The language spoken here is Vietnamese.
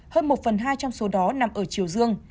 hơn một phần hai trong số đó nằm ở chiều dương